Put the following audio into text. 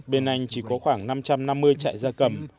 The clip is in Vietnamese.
bên anh chỉ có khoảng năm trăm năm mươi chạy ra cầm